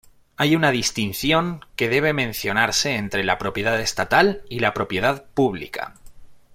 Hay una distinción que debe mencionarse entre la propiedad estatal y la propiedad pública.